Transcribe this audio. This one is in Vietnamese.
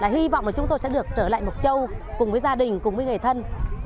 hy vọng là chúng tôi sẽ được trở lại mộc châu cùng với gia đình cùng với người thân